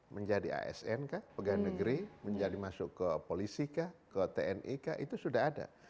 menjadi asn kah pegawai negeri menjadi masuk ke polisi kah ke tni kah itu sudah ada